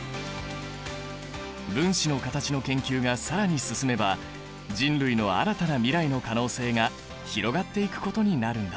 分子の形の研究が更に進めば人類の新たな未来の可能性が広がっていくことになるんだ。